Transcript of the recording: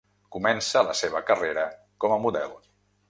Comença la seva carrera com a model.